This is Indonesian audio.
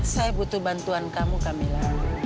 saya butuh bantuan kamu camilla